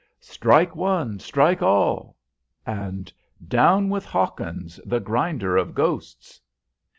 "Strike One, Strike All!" and, "Down with Hawkins, the Grinder of Ghosts!"